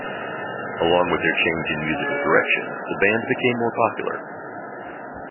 Along with their change in musical direction, the band became more popular.